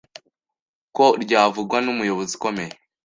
ko ryavugwa n’Umuyobozi ukomeye